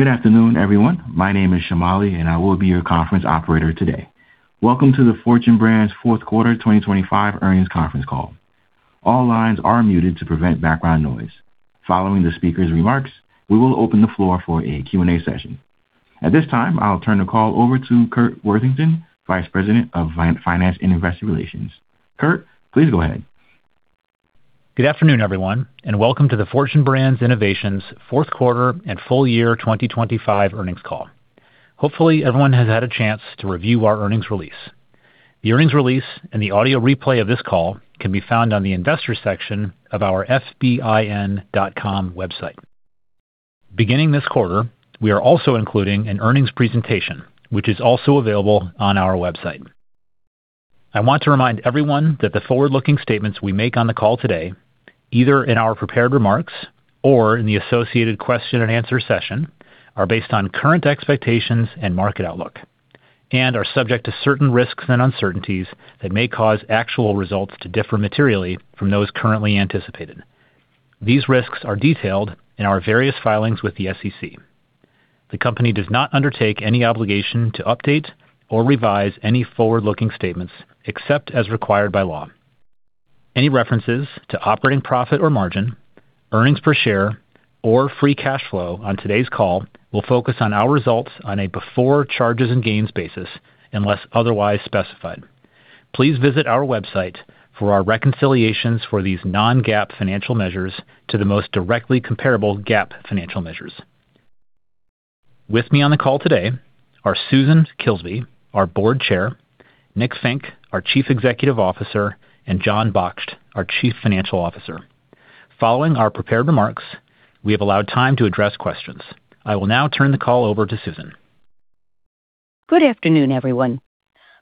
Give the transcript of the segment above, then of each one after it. Good afternoon, everyone. My name is Shamali, and I will be your conference operator today. Welcome to the Fortune Brands Fourth Quarter 2025 Earnings Conference Call. All lines are muted to prevent background noise. Following the speaker's remarks, we will open the floor for a Q&A session. At this time, I'll turn the call over to Curt Worthington, Vice President of Finance and Investor Relations. Curt, please go ahead. Good afternoon, everyone, and welcome to the Fortune Brands Innovations fourth quarter and full year 2025 earnings call. Hopefully, everyone has had a chance to review our earnings release. The earnings release and the audio replay of this call can be found on the investor section of our fbin.com website. Beginning this quarter, we are also including an earnings presentation, which is also available on our website. I want to remind everyone that the forward-looking statements we make on the call today, either in our prepared remarks or in the associated question and answer session, are based on current expectations and market outlook and are subject to certain risks and uncertainties that may cause actual results to differ materially from those currently anticipated. These risks are detailed in our various filings with the SEC. The company does not undertake any obligation to update or revise any forward-looking statements, except as required by law. Any references to operating profit or margin, earnings per share, or free cash flow on today's call will focus on our results on a before charges and gains basis, unless otherwise specified. Please visit our website for our reconciliations for these non-GAAP financial measures to the most directly comparable GAAP financial measures. With me on the call today are Susan Kilsby, our Board Chair, Nick Fink, our Chief Executive Officer, and Jon Baksht, our Chief Financial Officer. Following our prepared remarks, we have allowed time to address questions. I will now turn the call over to Susan. Good afternoon, everyone.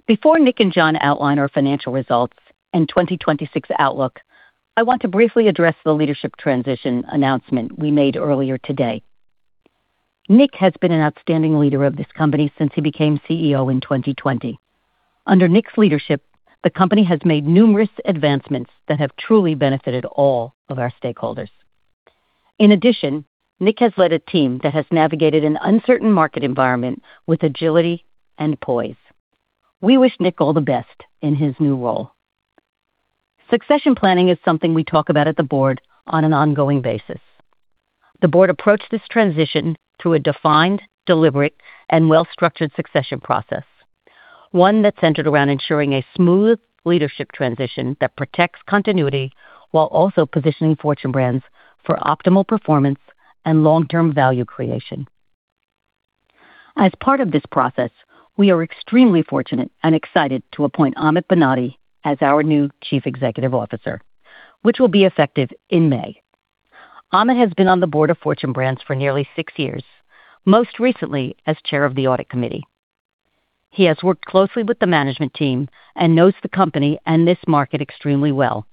Before Nick and Jon outline our financial results and 2026 outlook, I want to briefly address the leadership transition announcement we made earlier today. Nick has been an outstanding leader of this company since he became CEO in 2020. Under Nick's leadership, the company has made numerous advancements that have truly benefited all of our stakeholders. In addition, Nick has led a team that has navigated an uncertain market environment with agility and poise. We wish Nick all the best in his new role. Succession planning is something we talk about at the board on an ongoing basis. The board approached this transition through a defined, deliberate, and well-structured succession process, one that centered around ensuring a smooth leadership transition that protects continuity while also positioning Fortune Brands for optimal performance and long-term value creation. As part of this process, we are extremely fortunate and excited to appoint Amit Banati as our new Chief Executive Officer, which will be effective in May. Amit has been on the board of Fortune Brands for nearly six years, most recently as chair of the Audit Committee. He has worked closely with the management team and knows the company and this market extremely well,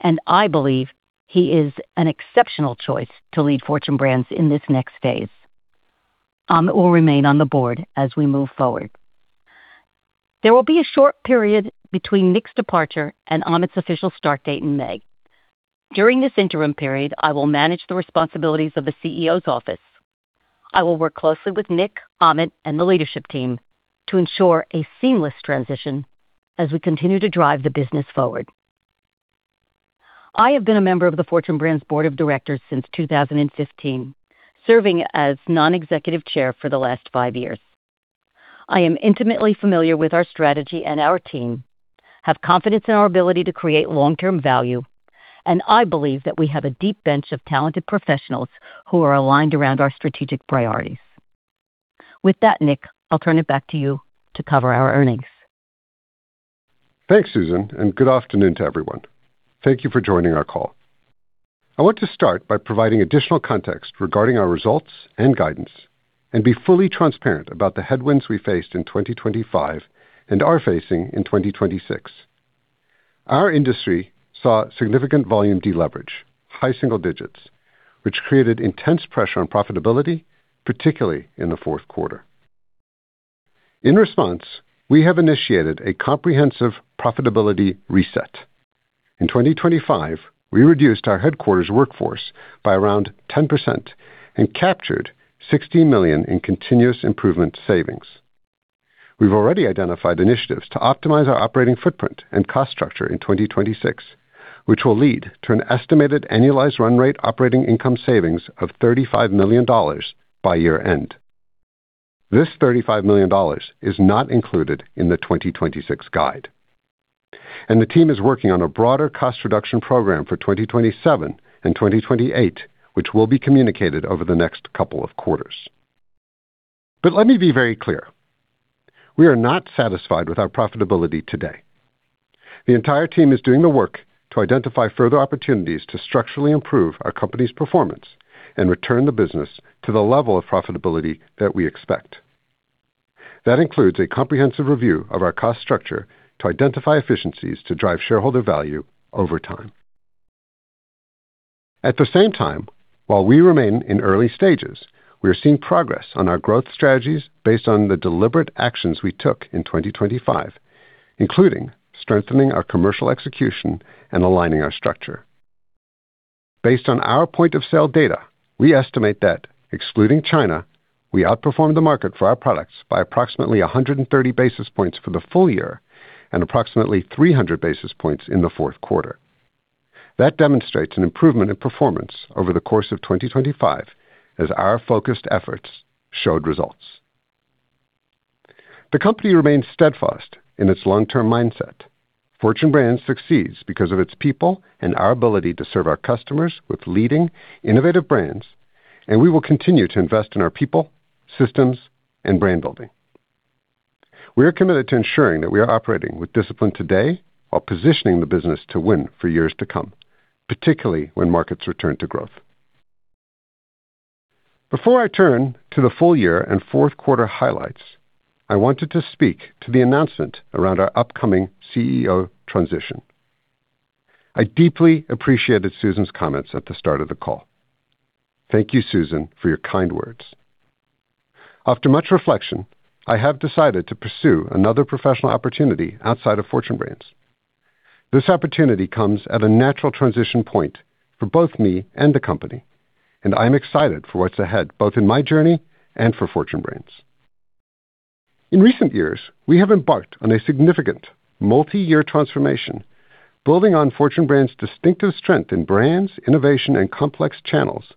and I believe he is an exceptional choice to lead Fortune Brands in this next phase. Amit will remain on the board as we move forward. There will be a short period between Nick's departure and Amit's official start date in May. During this interim period, I will manage the responsibilities of the CEO's office. I will work closely with Nick, Amit, and the leadership team to ensure a seamless transition as we continue to drive the business forward. I have been a member of the Fortune Brands Board of Directors since 2015, serving as non-executive chair for the last five years. I am intimately familiar with our strategy and our team, have confidence in our ability to create long-term value, and I believe that we have a deep bench of talented professionals who are aligned around our strategic priorities. With that, Nick, I'll turn it back to you to cover our earnings. Thanks, Susan, and good afternoon to everyone. Thank you for joining our call. I want to start by providing additional context regarding our results and guidance and be fully transparent about the headwinds we faced in 2025 and are facing in 2026. Our industry saw significant volume deleverage, high single digits, which created intense pressure on profitability, particularly in the fourth quarter. In response, we have initiated a comprehensive profitability reset. In 2025, we reduced our headquarters workforce by around 10% and captured $60 million in continuous improvement savings. We've already identified initiatives to optimize our operating footprint and cost structure in 2026, which will lead to an estimated annualized run rate operating income savings of $35 million by year-end. This $35 million is not included in the 2026 guide, and the team is working on a broader cost reduction program for 2027 and 2028, which will be communicated over the next couple of quarters. But let me be very clear, we are not satisfied with our profitability today. The entire team is doing the work to identify further opportunities to structurally improve our company's performance and return the business to the level of profitability that we expect. That includes a comprehensive review of our cost structure to identify efficiencies to drive shareholder value over time. At the same time, while we remain in early stages, we are seeing progress on our growth strategies based on the deliberate actions we took in 2025, including strengthening our commercial execution and aligning our structure. Based on our point of sale data, we estimate that excluding China, we outperformed the market for our products by approximately 130 basis points for the full year and approximately 300 basis points in the fourth quarter. That demonstrates an improvement in performance over the course of 2025 as our focused efforts showed results. The company remains steadfast in its long-term mindset. Fortune Brands succeeds because of its people and our ability to serve our customers with leading innovative brands, and we will continue to invest in our people, systems, and brand building. We are committed to ensuring that we are operating with discipline today while positioning the business to win for years to come, particularly when markets return to growth. Before I turn to the full year and fourth quarter highlights, I wanted to speak to the announcement around our upcoming CEO transition. I deeply appreciated Susan's comments at the start of the call. Thank you, Susan, for your kind words. After much reflection, I have decided to pursue another professional opportunity outside of Fortune Brands. This opportunity comes at a natural transition point for both me and the company, and I'm excited for what's ahead, both in my journey and for Fortune Brands. In recent years, we have embarked on a significant multi-year transformation, building on Fortune Brands' distinctive strength in brands, innovation and complex channels,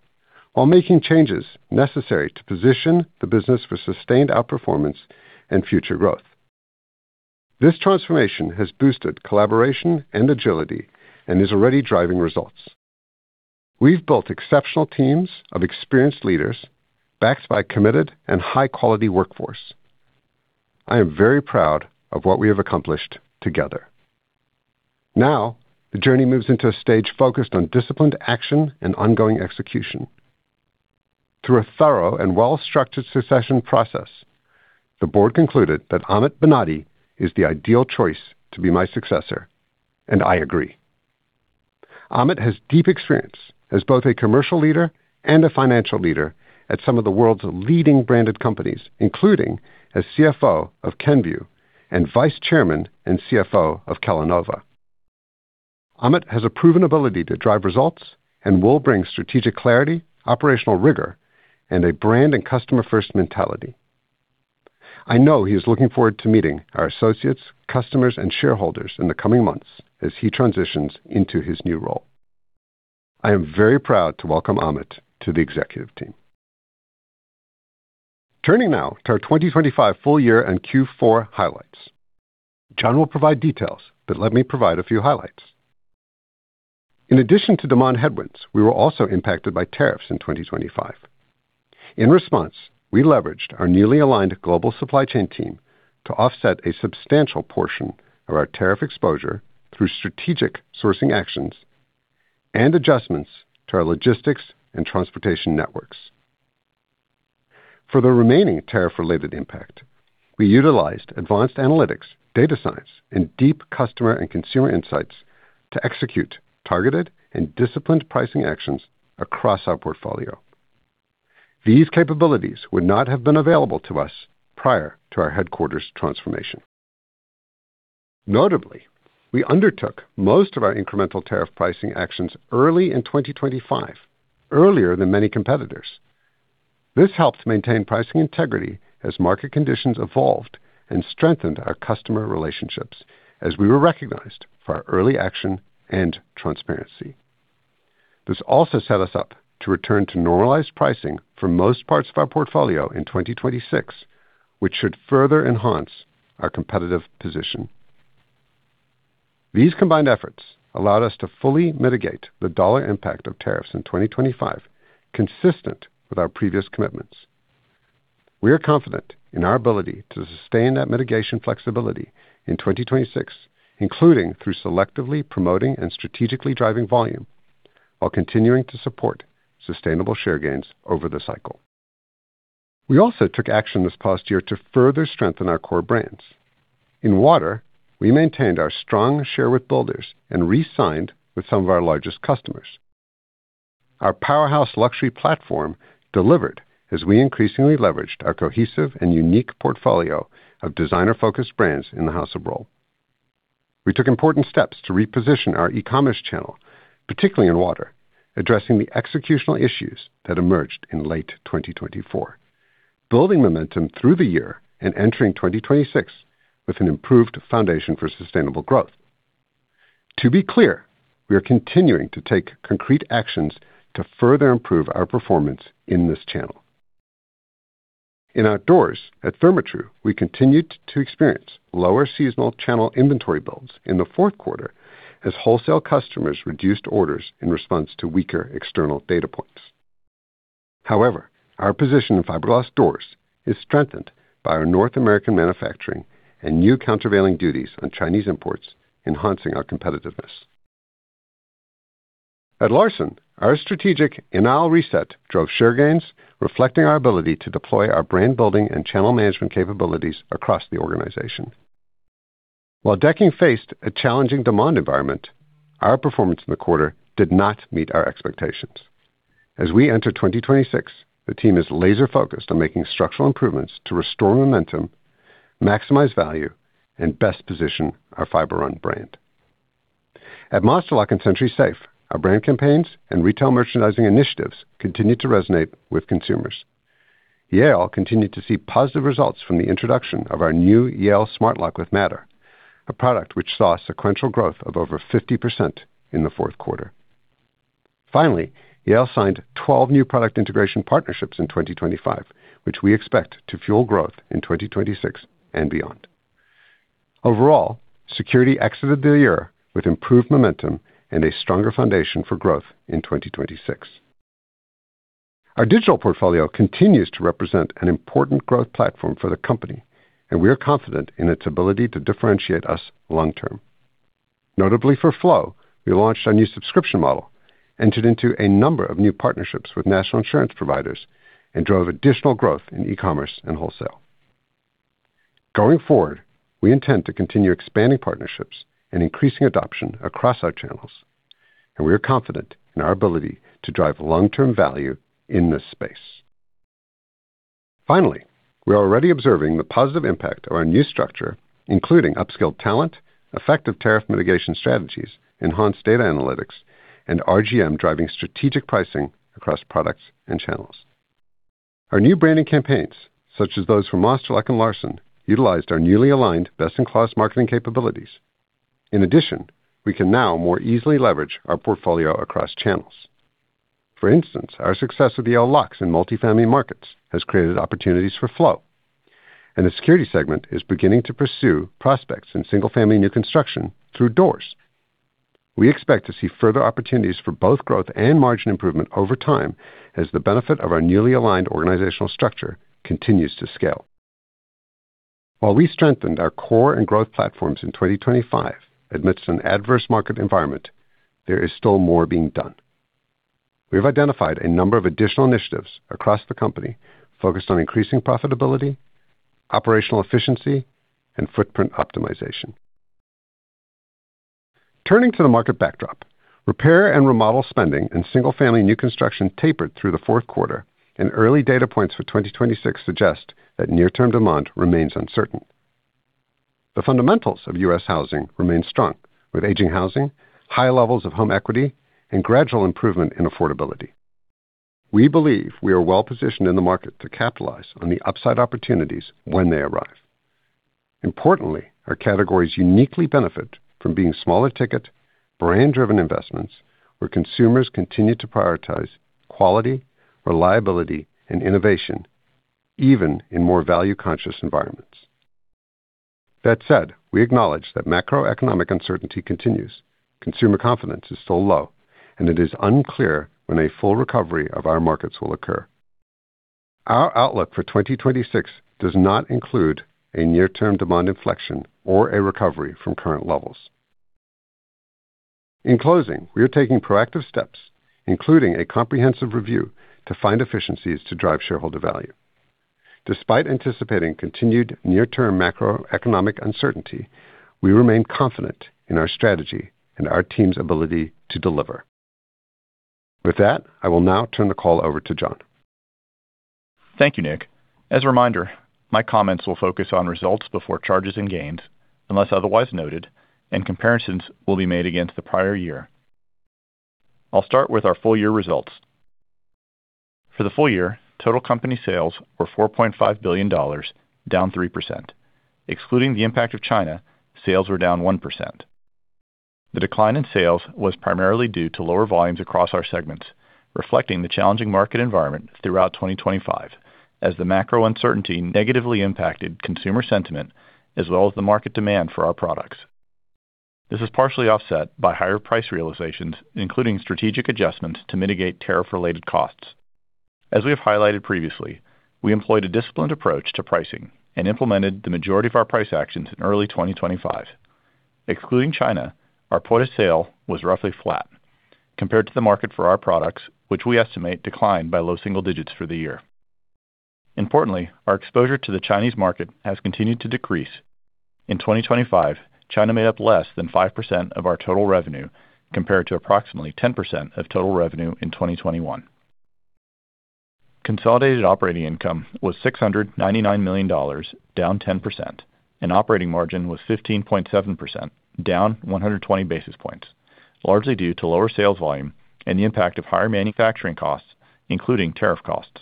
while making changes necessary to position the business for sustained outperformance and future growth. This transformation has boosted collaboration and agility and is already driving results. We've built exceptional teams of experienced leaders, backed by a committed and high-quality workforce. I am very proud of what we have accomplished together. Now, the journey moves into a stage focused on disciplined action and ongoing execution. Through a thorough and well-structured succession process, the board concluded that Amit Banati is the ideal choice to be my successor, and I agree. Amit has deep experience as both a commercial leader and a financial leader at some of the world's leading branded companies, including as CFO of Kenvue and Vice Chairman and CFO of Kellanova. Amit has a proven ability to drive results and will bring strategic clarity, operational rigor, and a brand and customer-first mentality. I know he is looking forward to meeting our associates, customers, and shareholders in the coming months as he transitions into his new role. I am very proud to welcome Amit to the executive team. Turning now to our 2025 full year and Q4 highlights. Jon will provide details, but let me provide a few highlights. In addition to demand headwinds, we were also impacted by tariffs in 2025. In response, we leveraged our newly aligned global supply chain team to offset a substantial portion of our tariff exposure through strategic sourcing actions and adjustments to our logistics and transportation networks. For the remaining tariff-related impact, we utilized advanced analytics, data science, and deep customer and consumer insights to execute targeted and disciplined pricing actions across our portfolio. These capabilities would not have been available to us prior to our headquarters transformation. Notably, we undertook most of our incremental tariff pricing actions early in 2025, earlier than many competitors. This helped maintain pricing integrity as market conditions evolved and strengthened our customer relationships as we were recognized for our early action and transparency. This also set us up to return to normalized pricing for most parts of our portfolio in 2026, which should further enhance our competitive position. These combined efforts allowed us to fully mitigate the dollar impact of tariffs in 2025, consistent with our previous commitments. We are confident in our ability to sustain that mitigation flexibility in 2026, including through selectively promoting and strategically driving volume while continuing to support sustainable share gains over the cycle. We also took action this past year to further strengthen our core brands. In Water, we maintained our strong share with builders and re-signed with some of our largest customers. Our powerhouse luxury platform delivered as we increasingly leveraged our cohesive and unique portfolio of designer-focused brands in the House of Rohl. We took important steps to reposition our e-commerce channel, particularly in Water, addressing the executional issues that emerged in late 2024, building momentum through the year and entering 2026 with an improved foundation for sustainable growth. To be clear, we are continuing to take concrete actions to further improve our performance in this channel. In Outdoors, at Therma-Tru, we continued to experience lower seasonal channel inventory builds in the fourth quarter as wholesale customers reduced orders in response to weaker external data points. However, our position in fiberglass doors is strengthened by our North American manufacturing and new countervailing duties on Chinese imports, enhancing our competitiveness. At Larson, our strategic in-aisle reset drove share gains, reflecting our ability to deploy our brand building and channel management capabilities across the organization. While decking faced a challenging demand environment, our performance in the quarter did not meet our expectations. As we enter 2026, the team is laser focused on making structural improvements to restore momentum, maximize value, and best position our Fiberon brand. At Master Lock and SentrySafe, our brand campaigns and retail merchandising initiatives continued to resonate with consumers. Yale continued to see positive results from the introduction of our new Yale Smart Lock with Matter, a product which saw sequential growth of over 50% in the fourth quarter. Finally, Yale signed 12 new product integration partnerships in 2025, which we expect to fuel growth in 2026 and beyond. Overall, Security exited the year with improved momentum and a stronger foundation for growth in 2026. Our digital portfolio continues to represent an important growth platform for the company, and we are confident in its ability to differentiate us long term. Notably, for Flo, we launched our new subscription model, entered into a number of new partnerships with national insurance providers, and drove additional growth in e-commerce and wholesale. Going forward, we intend to continue expanding partnerships and increasing adoption across our channels, and we are confident in our ability to drive long-term value in this space. Finally, we are already observing the positive impact of our new structure, including upskilled talent, effective tariff mitigation strategies, enhanced data analytics, and RGM driving strategic pricing across products and channels. Our new branding campaigns, such as those from Master Lock and Larson, utilized our newly aligned best-in-class marketing capabilities. In addition, we can now more easily leverage our portfolio across channels. For instance, our success with Yale Locks in multifamily markets has created opportunities for Flo, and the Security segment is beginning to pursue prospects in single-family new construction through doors. We expect to see further opportunities for both growth and margin improvement over time as the benefit of our newly aligned organizational structure continues to scale. While we strengthened our core and growth platforms in 2025 amidst an adverse market environment, there is still more being done. We have identified a number of additional initiatives across the company focused on increasing profitability, operational efficiency, and footprint optimization. Turning to the market backdrop. Repair and remodel spending in single-family new construction tapered through the fourth quarter, and early data points for 2026 suggest that near-term demand remains uncertain. The fundamentals of U.S. housing remain strong, with aging housing, high levels of home equity, and gradual improvement in affordability. We believe we are well positioned in the market to capitalize on the upside opportunities when they arrive. Importantly, our categories uniquely benefit from being smaller ticket, brand-driven investments where consumers continue to prioritize quality, reliability, and innovation, even in more value-conscious environments. That said, we acknowledge that macroeconomic uncertainty continues. Consumer confidence is still low, and it is unclear when a full recovery of our markets will occur. Our outlook for 2026 does not include a near-term demand inflection or a recovery from current levels. In closing, we are taking proactive steps, including a comprehensive review, to find efficiencies to drive shareholder value. Despite anticipating continued near-term macroeconomic uncertainty, we remain confident in our strategy and our team's ability to deliver. With that, I will now turn the call over to Jon. Thank you, Nick. As a reminder, my comments will focus on results before charges and gains, unless otherwise noted, and comparisons will be made against the prior year. I'll start with our full year results. For the full year, total company sales were $4.5 billion, down 3%. Excluding the impact of China, sales were down 1%. The decline in sales was primarily due to lower volumes across our segments, reflecting the challenging market environment throughout 2025, as the macro uncertainty negatively impacted consumer sentiment as well as the market demand for our products. This is partially offset by higher price realizations, including strategic adjustments to mitigate tariff-related costs. As we have highlighted previously, we employed a disciplined approach to pricing and implemented the majority of our price actions in early 2025. Excluding China, our point of sale was roughly flat compared to the market for our products, which we estimate declined by low single digits for the year. Importantly, our exposure to the Chinese market has continued to decrease. In 2025, China made up less than 5% of our total revenue, compared to approximately 10% of total revenue in 2021. Consolidated operating income was $699 million, down 10%, and operating margin was 15.7%, down 120 basis points, largely due to lower sales volume and the impact of higher manufacturing costs, including tariff costs.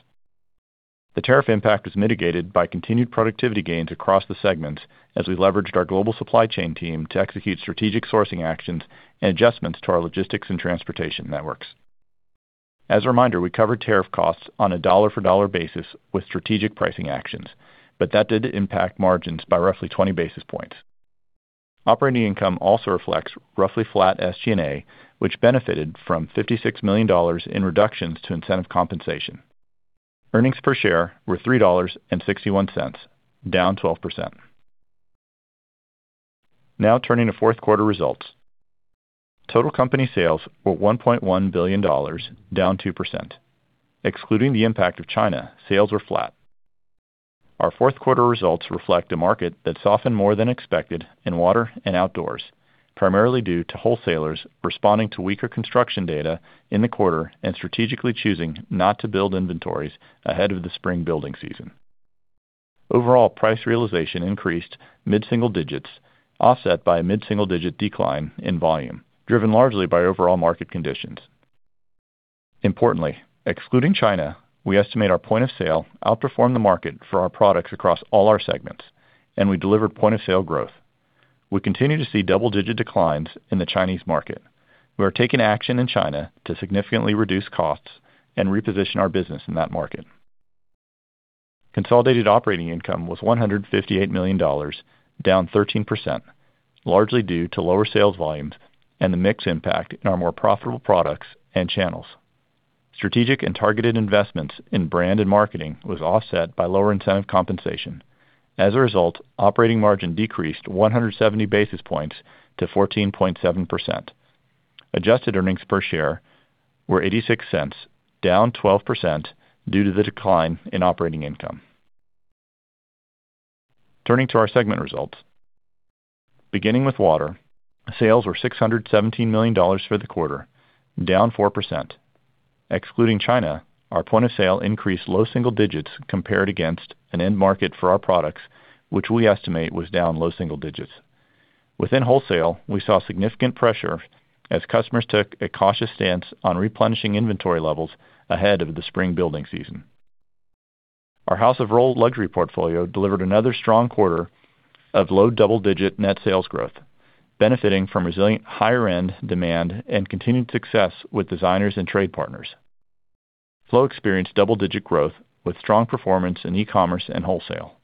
The tariff impact was mitigated by continued productivity gains across the segments as we leveraged our global supply chain team to execute strategic sourcing actions and adjustments to our logistics and transportation networks. As a reminder, we covered tariff costs on a dollar-for-dollar basis with strategic pricing actions, but that did impact margins by roughly 20 basis points. Operating income also reflects roughly flat SG&A, which benefited from $56 million in reductions to incentive compensation. Earnings per share were $3.61, down 12%. Now, turning to fourth quarter results. Total company sales were $1.1 billion, down 2%. Excluding the impact of China, sales were flat. Our fourth quarter results reflect a market that softened more than expected in Water and Outdoors, primarily due to wholesalers responding to weaker construction data in the quarter and strategically choosing not to build inventories ahead of the spring building season. Overall, price realization increased mid-single digits, offset by a mid-single-digit decline in volume, driven largely by overall market conditions. Importantly, excluding China, we estimate our point of sale outperformed the market for our products across all our segments, and we delivered point of sale growth. We continue to see double-digit declines in the Chinese market. We are taking action in China to significantly reduce costs and reposition our business in that market. Consolidated operating income was $158 million, down 13%, largely due to lower sales volumes and the mix impact in our more profitable products and channels. Strategic and targeted investments in brand and marketing was offset by lower incentive compensation. As a result, operating margin decreased 170 basis points to 14.7%. Adjusted earnings per share were $0.86, down 12% due to the decline in operating income. Turning to our segment results. Beginning with Water, sales were $617 million for the quarter, down 4%. Excluding China, our point of sale increased low single digits compared against an end market for our products, which we estimate was down low single digits. Within wholesale, we saw significant pressure as customers took a cautious stance on replenishing inventory levels ahead of the spring building season. Our House of Rohl luxury portfolio delivered another strong quarter of low-double-digit net sales growth, benefiting from resilient higher-end demand and continued success with designers and trade partners. Flo experienced double-digit growth with strong performance in e-commerce and wholesale.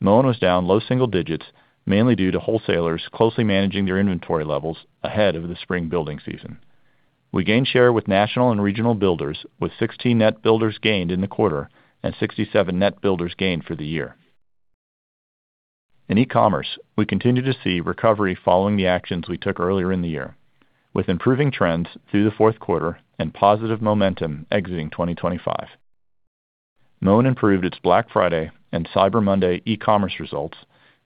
Moen was down low single digits, mainly due to wholesalers closely managing their inventory levels ahead of the spring building season. We gained share with national and regional builders, with 16 net builders gained in the quarter and 67 net builders gained for the year. In e-commerce, we continue to see recovery following the actions we took earlier in the year, with improving trends through the fourth quarter and positive momentum exiting 2025. Moen improved its Black Friday and Cyber Monday e-commerce results,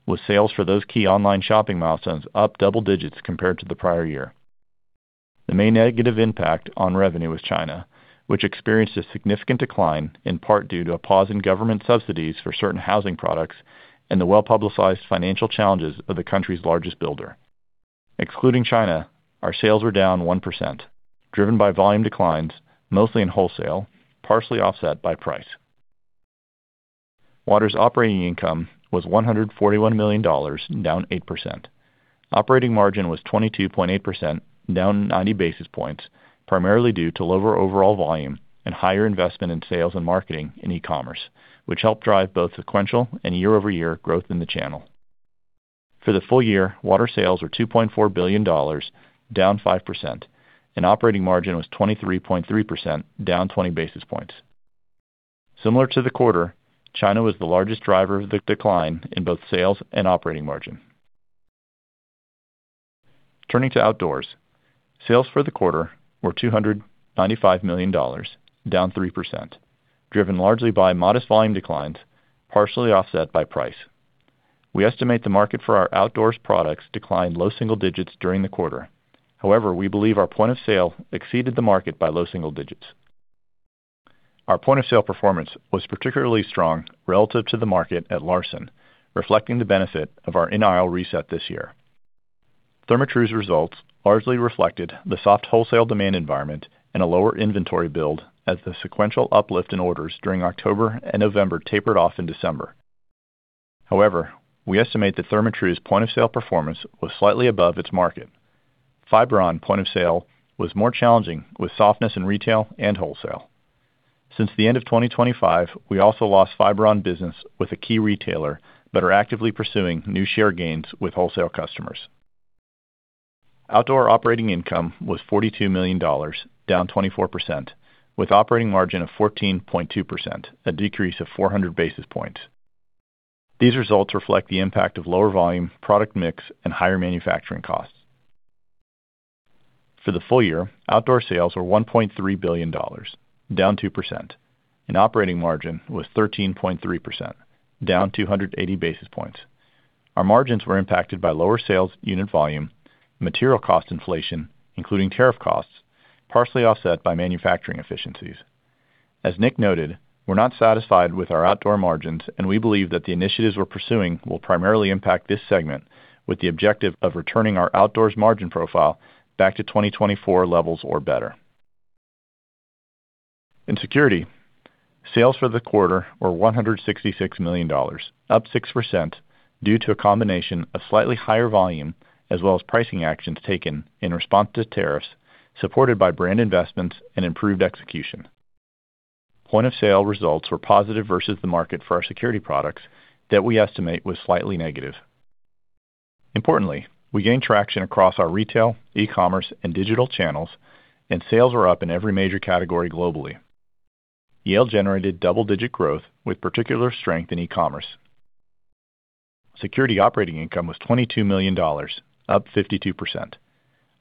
with sales for those key online shopping milestones up double digits compared to the prior year. The main negative impact on revenue was China, which experienced a significant decline, in part due to a pause in government subsidies for certain housing products and the well-publicized financial challenges of the country's largest builder. Excluding China, our sales were down 1%, driven by volume declines, mostly in wholesale, partially offset by price. Water's operating income was $141 million, down 8%. Operating margin was 22.8%, down 90 basis points, primarily due to lower overall volume and higher investment in sales and marketing in e-commerce, which helped drive both sequential and year-over-year growth in the channel. For the full year, Water sales were $2.4 billion, down 5%, and operating margin was 23.3%, down 20 basis points. Similar to the quarter, China was the largest driver of the decline in both sales and operating margin. Turning to Outdoors, sales for the quarter were $295 million, down 3%, driven largely by modest volume declines, partially offset by price. We estimate the market for our Outdoors products declined low single digits during the quarter. However, we believe our point of sale exceeded the market by low single digits. Our point of sale performance was particularly strong relative to the market at Larson, reflecting the benefit of our in-aisle reset this year. Therma-Tru's results largely reflected the soft wholesale demand environment and a lower inventory build as the sequential uplift in orders during October and November tapered off in December. However, we estimate that Therma-Tru's point-of-sale performance was slightly above its market. Fiberon point of sale was more challenging, with softness in retail and wholesale. Since the end of 2025, we also lost Fiberon business with a key retailer, but are actively pursuing new share gains with wholesale customers. Outdoor operating income was $42 million, down 24%, with operating margin of 14.2%, a decrease of 400 basis points. These results reflect the impact of lower volume, product mix, and higher manufacturing costs. For the full year, Outdoor sales were $1.3 billion, down 2%, and operating margin was 13.3%, down 280 basis points. Our margins were impacted by lower sales, unit volume, material cost inflation, including tariff costs, partially offset by manufacturing efficiencies. As Nick noted, we're not satisfied with our Outdoor margins, and we believe that the initiatives we're pursuing will primarily impact this segment, with the objective of returning our Outdoors margin profile back to 2024 levels or better. In Security, sales for the quarter were $166 million, up 6%, due to a combination of slightly higher volume as well as pricing actions taken in response to tariffs, supported by brand investments and improved execution. Point of sale results were positive versus the market for our Security products that we estimate was slightly negative. Importantly, we gained traction across our retail, e-commerce, and digital channels, and sales are up in every major category globally. Yale generated double-digit growth with particular strength in e-commerce. Security operating income was $22 million, up 52%.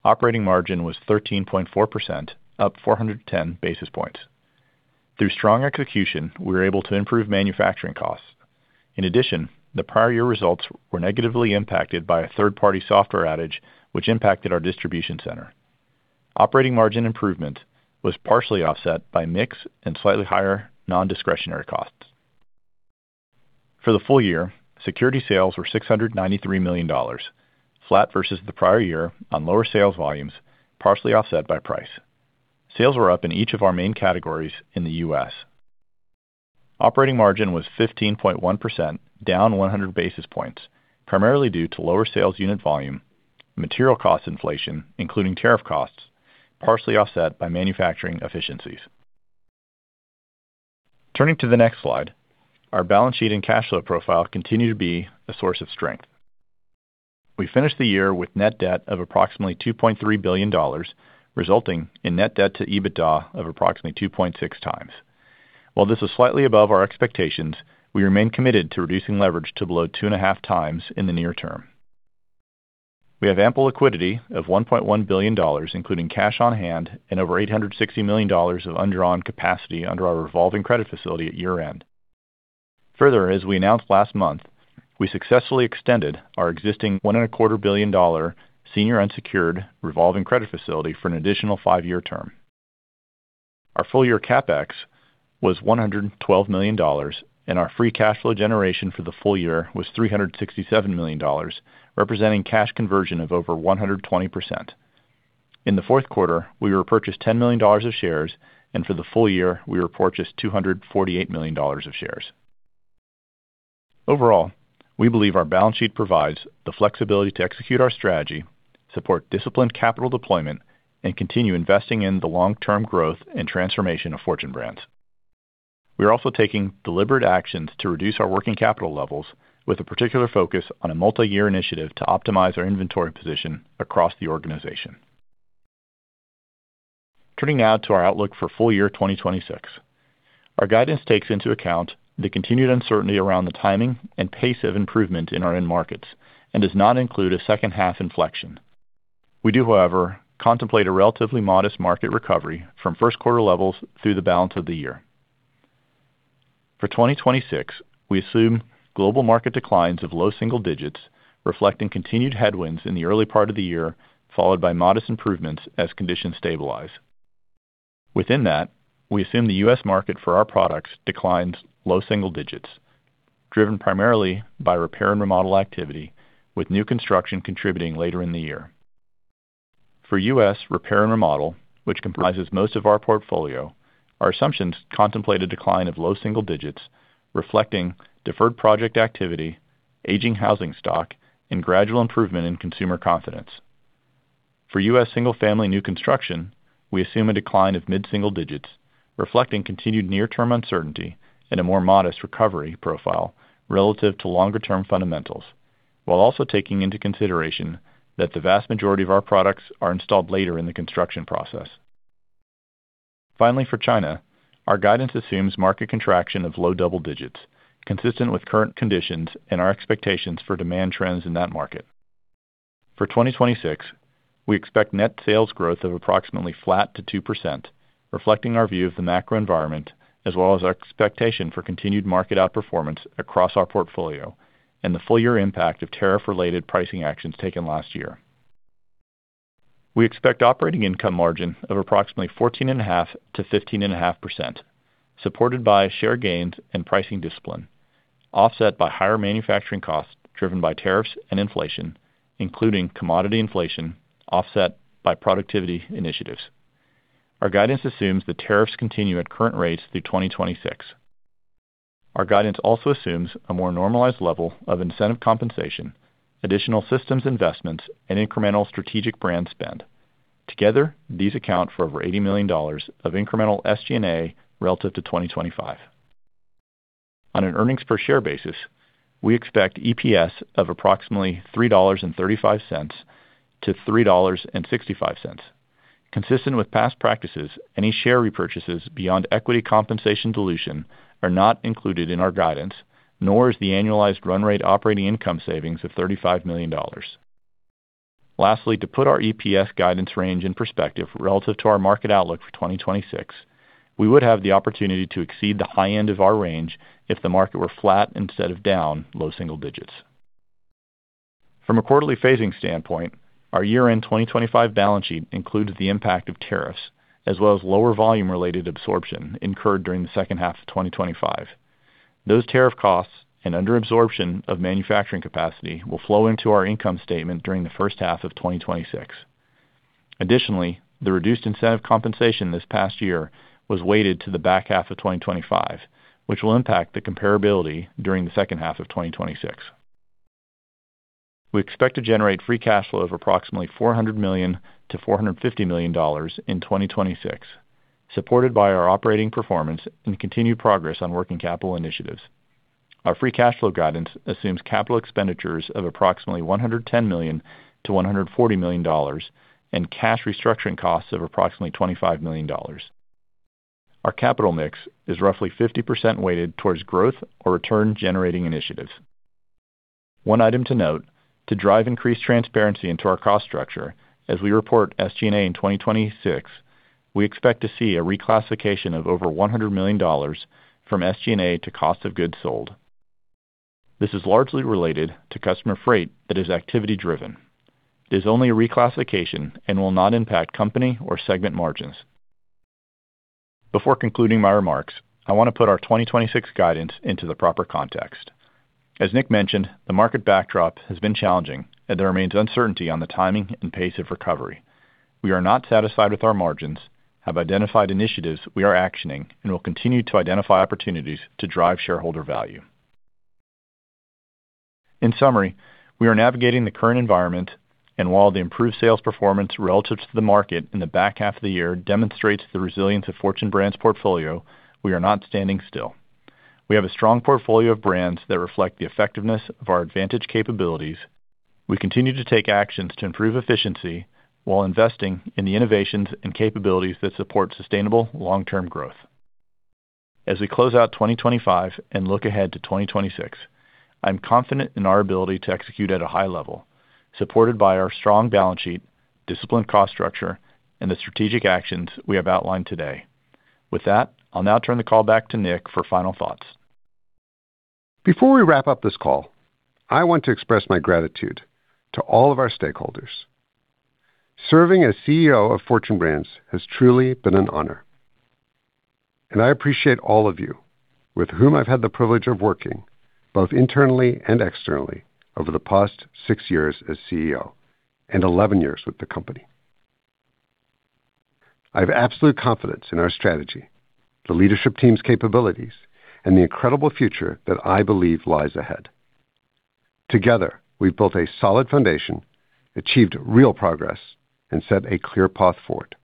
Operating margin was 13.4%, up 410 basis points. Through strong execution, we were able to improve manufacturing costs. In addition, the prior year results were negatively impacted by a third-party software outage, which impacted our distribution center. Operating margin improvement was partially offset by mix and slightly higher non-discretionary costs. For the full year, Security sales were $693 million, flat versus the prior year on lower sales volumes, partially offset by price. Sales were up in each of our main categories in the U.S. Operating margin was 15.1%, down 100 basis points, primarily due to lower sales unit volume, material cost inflation, including tariff costs, partially offset by manufacturing efficiencies. Turning to the next slide, our balance sheet and cash flow profile continue to be a source of strength. We finished the year with net debt of approximately $2.3 billion, resulting in net debt to EBITDA of approximately 2.6x. While this is slightly above our expectations, we remain committed to reducing leverage to below 2.5x in the near term. We have ample liquidity of $1.1 billion, including cash on hand and over $860 million of undrawn capacity under our revolving credit facility at year-end. Further, as we announced last month, we successfully extended our existing $1.25 billion senior unsecured revolving credit facility for an additional five-year term. Our full year CapEx was $112 million, and our free cash flow generation for the full year was $367 million, representing cash conversion of over 120%. In the fourth quarter, we repurchased $10 million of shares, and for the full year, we repurchased $248 million of shares. Overall, we believe our balance sheet provides the flexibility to execute our strategy, support disciplined capital deployment, and continue investing in the long-term growth and transformation of Fortune Brands. We are also taking deliberate actions to reduce our working capital levels, with a particular focus on a multi-year initiative to optimize our inventory position across the organization. Turning now to our outlook for full year 2026. Our guidance takes into account the continued uncertainty around the timing and pace of improvement in our end markets and does not include a second-half inflection. We do, however, contemplate a relatively modest market recovery from first quarter levels through the balance of the year. For 2026, we assume global market declines of low single digits, reflecting continued headwinds in the early part of the year, followed by modest improvements as conditions stabilize. Within that, we assume the U.S. market for our products declines low single digits, driven primarily by repair and remodel activity, with new construction contributing later in the year. For U.S. repair and remodel, which comprises most of our portfolio, our assumptions contemplate a decline of low single digits, reflecting deferred project activity, aging housing stock, and gradual improvement in consumer confidence. For U.S. single-family new construction, we assume a decline of mid-single digits, reflecting continued near-term uncertainty and a more modest recovery profile relative to longer-term fundamentals, while also taking into consideration that the vast majority of our products are installed later in the construction process. Finally, for China, our guidance assumes market contraction of low double digits, consistent with current conditions and our expectations for demand trends in that market. For 2026, we expect net sales growth of approximately flat to 2%, reflecting our view of the macro environment, as well as our expectation for continued market outperformance across our portfolio and the full year impact of tariff-related pricing actions taken last year. We expect operating income margin of approximately 14.5%-15.5%, supported by share gains and pricing discipline, offset by higher manufacturing costs driven by tariffs and inflation, including commodity inflation, offset by productivity initiatives. Our guidance assumes that tariffs continue at current rates through 2026. Our guidance also assumes a more normalized level of incentive compensation, additional systems investments, and incremental strategic brand spend. Together, these account for over $80 million of incremental SG&A relative to 2025. On an earnings per share basis, we expect EPS of approximately $3.35-$3.65. Consistent with past practices, any share repurchases beyond equity compensation dilution are not included in our guidance, nor is the annualized run rate operating income savings of $35 million. Lastly, to put our EPS guidance range in perspective relative to our market outlook for 2026, we would have the opportunity to exceed the high end of our range if the market were flat instead of down low single digits. From a quarterly phasing standpoint, our year-end 2025 balance sheet includes the impact of tariffs, as well as lower volume-related absorption incurred during the second half of 2025. Those tariff costs and under absorption of manufacturing capacity will flow into our income statement during the first half of 2026. Additionally, the reduced incentive compensation this past year was weighted to the back half of 2025, which will impact the comparability during the second half of 2026. We expect to generate free cash flow of approximately $400 million-$450 million in 2026, supported by our operating performance and continued progress on working capital initiatives. Our free cash flow guidance assumes capital expenditures of approximately $110 million-$140 million and cash restructuring costs of approximately $25 million. Our capital mix is roughly 50% weighted towards growth or return-generating initiatives. One item to note, to drive increased transparency into our cost structure, as we report SG&A in 2026, we expect to see a reclassification of over $100 million from SG&A to cost of goods sold. This is largely related to customer freight that is activity driven. It is only a reclassification and will not impact company or segment margins. Before concluding my remarks, I want to put our 2026 guidance into the proper context. As Nick mentioned, the market backdrop has been challenging, and there remains uncertainty on the timing and pace of recovery. We are not satisfied with our margins, have identified initiatives we are actioning, and will continue to identify opportunities to drive shareholder value. In summary, we are navigating the current environment, and while the improved sales performance relative to the market in the back half of the year demonstrates the resilience of Fortune Brands portfolio, we are not standing still. We have a strong portfolio of brands that reflect the effectiveness of our advantage capabilities. We continue to take actions to improve efficiency while investing in the innovations and capabilities that support sustainable long-term growth. As we close out 2025 and look ahead to 2026, I'm confident in our ability to execute at a high level, supported by our strong balance sheet, disciplined cost structure, and the strategic actions we have outlined today. With that, I'll now turn the call back to Nick for final thoughts. Before we wrap up this call, I want to express my gratitude to all of our stakeholders. Serving as CEO of Fortune Brands has truly been an honor, and I appreciate all of you with whom I've had the privilege of working, both internally and externally, over the past six years as CEO and 11 years with the company. I have absolute confidence in our strategy, the leadership team's capabilities, and the incredible future that I believe lies ahead. Together, we've built a solid foundation, achieved real progress, and set a clear path forward.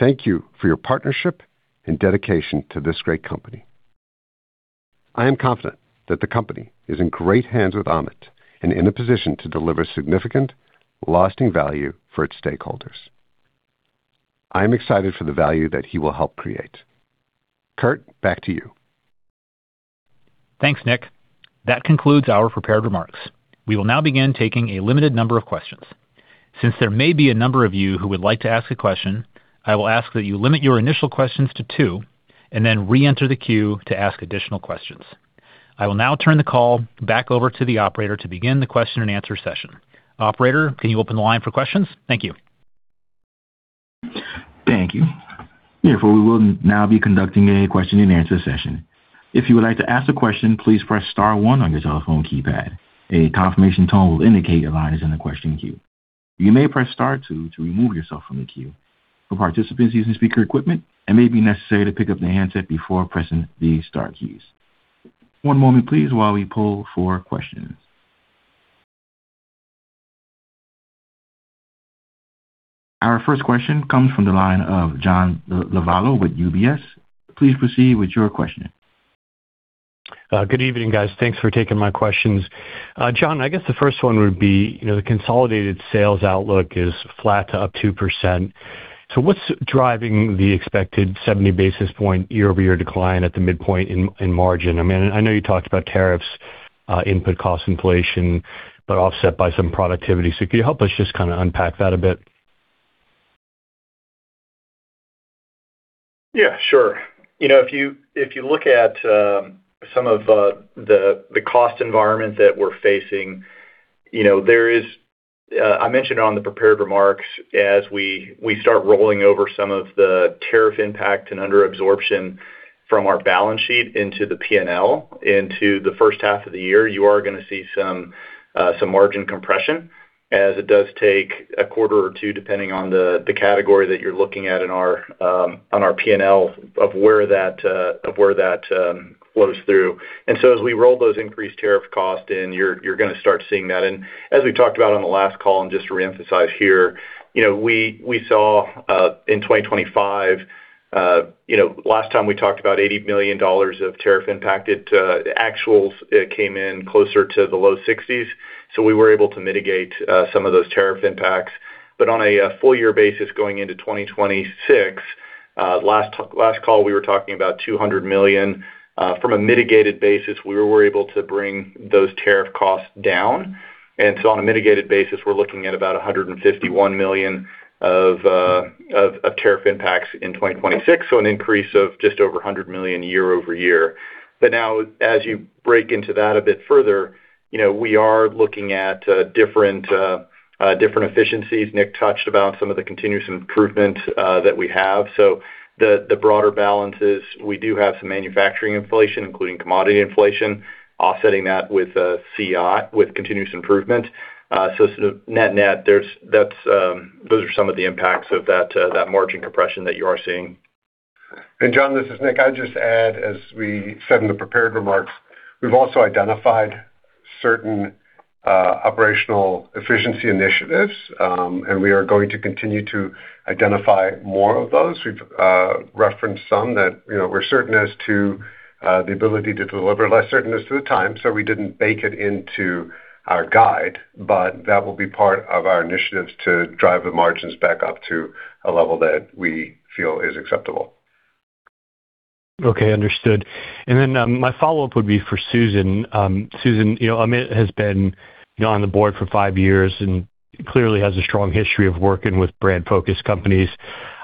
Thank you for your partnership and dedication to this great company. I am confident that the company is in great hands with Amit and in a position to deliver significant, lasting value for its stakeholders. I am excited for the value that he will help create. Curt, back to you. Thanks, Nick. That concludes our prepared remarks. We will now begin taking a limited number of questions. Since there may be a number of you who would like to ask a question, I will ask that you limit your initial questions to two and then reenter the queue to ask additional questions. I will now turn the call back over to the operator to begin the Q&A session. Operator, can you open the line for questions? Thank you. Thank you. Therefore, we will now be conducting a Q&A session. If you would like to ask a question, please press star one on your telephone keypad. A confirmation tone will indicate your line is in the question queue. You may press star two to remove yourself from the queue. For participants using speaker equipment, it may be necessary to pick up the handset before pressing the star keys. One moment, please, while we pull for questions. Our first question comes from the line of John Lovallo with UBS. Please proceed with your questioning. Good evening, guys. Thanks for taking my questions. Jon, I guess the first one would be, you know, the consolidated sales outlook is flat to up 2%. So what's driving the expected 70 basis points year-over-year decline at the midpoint in margin? I mean, I know you talked about tariffs, input cost inflation, but offset by some productivity. So could you help us just kinda unpack that a bit? Yeah, sure. You know, if you look at some of the cost environment that we're facing, you know, there is. I mentioned on the prepared remarks, as we start rolling over some of the tariff impact and under absorption from our balance sheet into the P&L, into the first half of the year, you are gonna see some margin compression, as it does take a quarter or two, depending on the category that you're looking at in our on our P&L, of where that flows through. And so as we roll those increased tariff costs in, you're gonna start seeing that. As we talked about on the last call, and just to reemphasize here, you know, we saw in 2025, you know, last time we talked about $80 million of tariff impact, the actuals came in closer to the low 60s, so we were able to mitigate some of those tariff impacts. But on a full year basis, going into 2026, last call, we were talking about $200 million. From a mitigated basis, we were able to bring those tariff costs down, and so on a mitigated basis, we're looking at about $151 million of tariff impacts in 2026, so an increase of just over $100 million year-over-year. But now, as you break into that a bit further, you know, we are looking at different efficiencies. Nick touched about some of the continuous improvement that we have. So the broader balance is we do have some manufacturing inflation, including commodity inflation, offsetting that with CI, with continuous improvement. So sort of net-net, there's, that's those are some of the impacts of that margin compression that you are seeing. John, this is Nick. I'd just add, as we said in the prepared remarks, we've also identified certain operational efficiency initiatives, and we are going to continue to identify more of those. We've referenced some that, you know, we're certain as to the ability to deliver less certain as to the time, so we didn't bake it into our guide, but that will be part of our initiatives to drive the margins back up to a level that we feel is acceptable. Okay, understood. And then, my follow-up would be for Susan. Susan, you know, Amit has been, you know, on the board for five years and clearly has a strong history of working with brand-focused companies.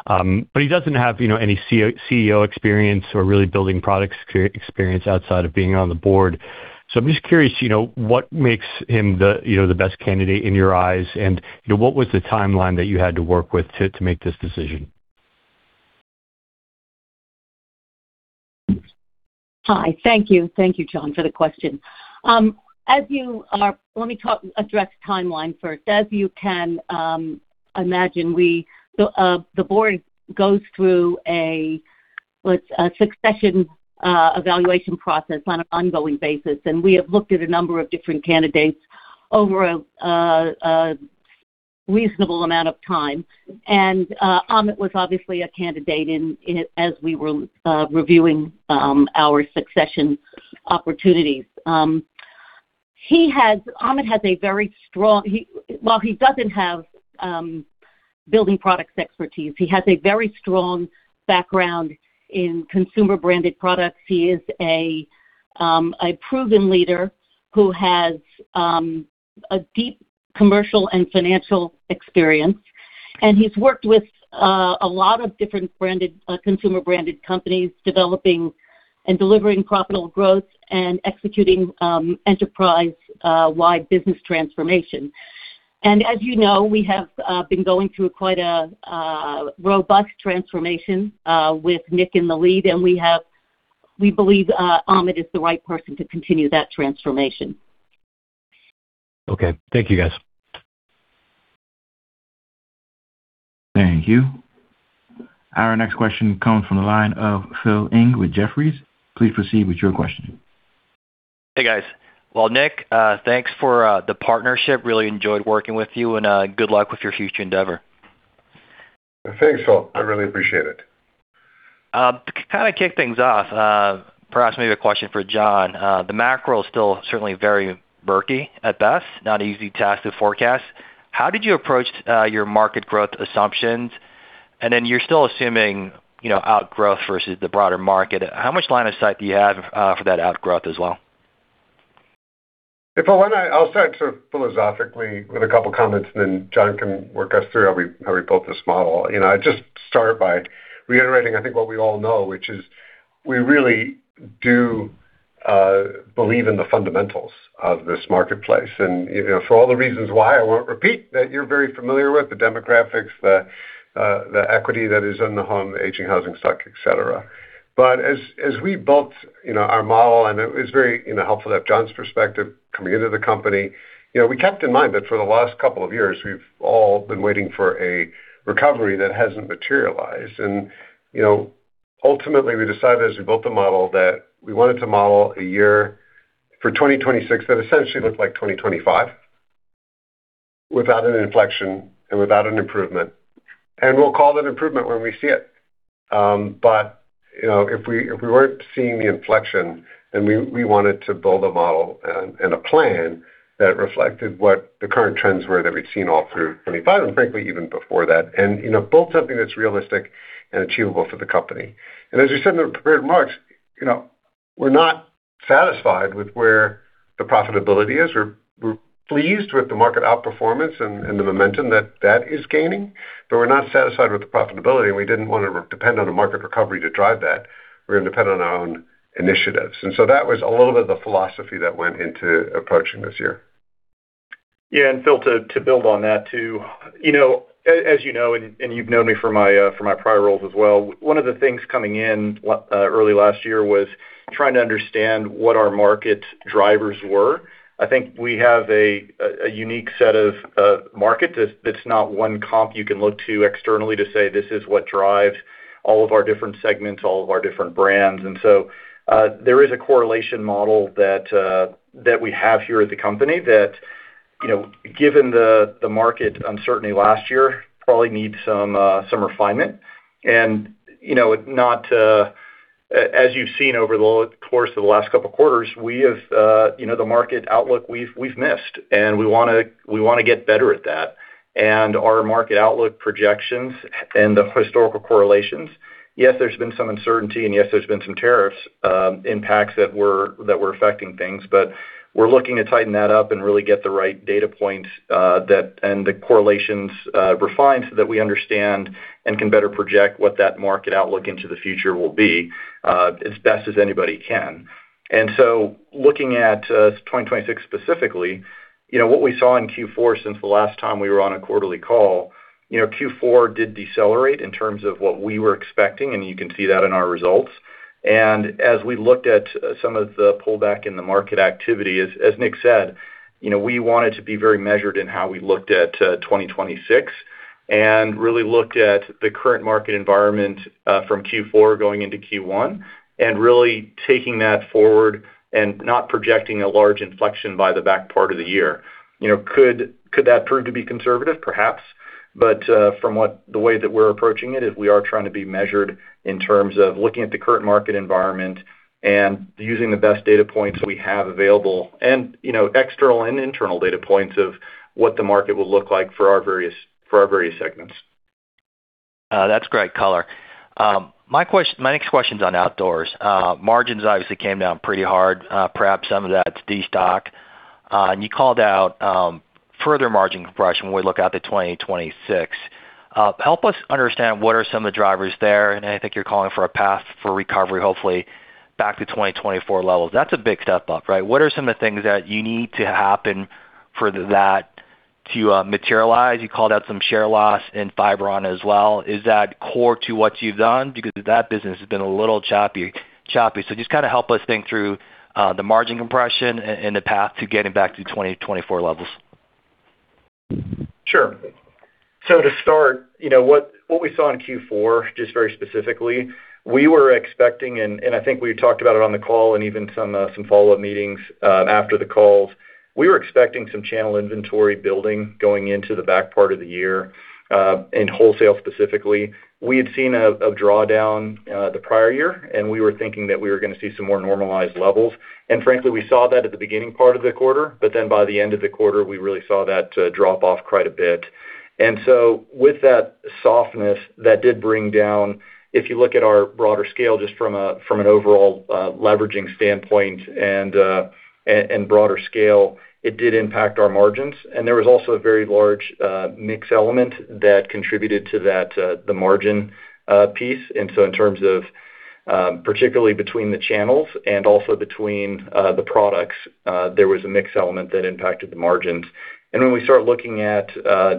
But he doesn't have, you know, any CEO experience or really building product experience outside of being on the board. So I'm just curious, you know, what makes him the, you know, the best candidate in your eyes, and, you know, what was the timeline that you had to work with to make this decision? Hi, thank you. Thank you, John, for the question. As you are, let me talk, address timeline first. As you can imagine, we, the board goes through a succession evaluation process on an ongoing basis, and we have looked at a number of different candidates over a reasonable amount of time. And, Amit was obviously a candidate in it as we were reviewing our succession opportunities. Amit has a very strong. He, while he doesn't have, building products expertise, he has a very strong background in consumer-branded products. He is a proven leader who has a deep commercial and financial experience, and he's worked with a lot of different branded consumer-branded companies, developing and delivering profitable growth and executing enterprise wide business transformation. As you know, we have been going through quite a robust transformation with Nick in the lead, and we believe Amit is the right person to continue that transformation. Okay. Thank you, guys. Thank you. Our next question comes from the line of Phil Ng with Jefferies. Please proceed with your question. Hey, guys. Well, Nick, thanks for the partnership. Really enjoyed working with you, and good luck with your future endeavor. Thanks, Phil. I really appreciate it. To kind of kick things off, perhaps maybe a question for Jon. The macro is still certainly very murky at best, not an easy task to forecast. How did you approach your market growth assumptions? And then you're still assuming, you know, outgrowth versus the broader market. How much line of sight do you have for that outgrowth as well? If I want, I, I'll start sort of philosophically with a couple of comments, and then Jon can work us through how we, how we built this model. You know, I just start by reiterating, I think, what we all know, which is we really do believe in the fundamentals of this marketplace. And, you know, for all the reasons why, I won't repeat that you're very familiar with: the demographics, the equity that is in the home, the aging housing stock, et cetera. But as, as we built, you know, our model, and it was very, you know, helpful to have Jon's perspective coming into the company, you know, we kept in mind that for the last couple of years, we've all been waiting for a recovery that hasn't materialized. You know, ultimately, we decided, as we built the model, that we wanted to model a year for 2026 that essentially looked like 2025, without an inflection and without an improvement. We'll call it an improvement when we see it. But, you know, if we, if we weren't seeing the inflection, then we, we wanted to build a model and, and a plan that reflected what the current trends were that we'd seen all through 2025, and frankly, even before that, and, you know, build something that's realistic and achievable for the company. As you said in the prepared remarks, you know, we're not satisfied with where the profitability is. We're pleased with the market outperformance and the momentum that is gaining, but we're not satisfied with the profitability, and we didn't want to depend on a market recovery to drive that. We're going to depend on our own initiatives. And so that was a little bit of the philosophy that went into approaching this year. Yeah, and Phil, to build on that too. You know, as you know, and you've known me for my prior roles as well, one of the things coming in early last year was trying to understand what our market drivers were. I think we have a unique set of markets. It's not one comp you can look to externally to say, this is what drives all of our different segments, all of our different brands. And so, there is a correlation model that we have here at the company that, you know, given the market uncertainty last year, probably needs some refinement. You know, not as you've seen over the course of the last couple of quarters, we have, you know, the market outlook, we've, we've missed, and we wanna, we wanna get better at that. Our market outlook projections and the historical correlations, yes, there's been some uncertainty, and yes, there's been some tariffs, impacts that were, that were affecting things, but we're looking to tighten that up and really get the right data points, that, and the correlations, refined, so that we understand and can better project what that market outlook into the future will be, as best as anybody can. So looking at 2026 specifically, you know, what we saw in Q4 since the last time we were on a quarterly call, you know, Q4 did decelerate in terms of what we were expecting, and you can see that in our results. As we looked at some of the pullback in the market activity, as Nick said, you know, we wanted to be very measured in how we looked at 2026 and really looked at the current market environment from Q4 going into Q1, and really taking that forward and not projecting a large inflection by the back part of the year. You know, could that prove to be conservative? Perhaps. But from the way that we're approaching it, we are trying to be measured in terms of looking at the current market environment and using the best data points we have available, and, you know, external and internal data points of what the market will look like for our various, for our various segments. That's great color. My next question's on Outdoors. Margins obviously came down pretty hard, perhaps some of that's destock. And you called out further margin compression when we look out to 2026. Help us understand what are some of the drivers there, and I think you're calling for a path for recovery, hopefully back to 2024 levels. That's a big step up, right? What are some of the things that you need to happen for that to materialize? You called out some share loss in Fiberon as well. Is that core to what you've done? Because that business has been a little choppy, choppy. So just kinda help us think through the margin compression and the path to getting back to 2024 levels. Sure. So to start, you know, what we saw in Q4, just very specifically, we were expecting, and I think we talked about it on the call and even some follow-up meetings after the calls. We were expecting some channel inventory building going into the back part of the year, in wholesale specifically. We had seen a drawdown the prior year, and we were thinking that we were gonna see some more normalized levels. And frankly, we saw that at the beginning part of the quarter, but then by the end of the quarter, we really saw that drop off quite a bit. And so with that softness, that did bring down. If you look at our broader scale, just from an overall leveraging standpoint and broader scale, it did impact our margins. There was also a very large mix element that contributed to that margin piece. So in terms of, particularly between the channels and also between the products, there was a mix element that impacted the margins. And when we start looking at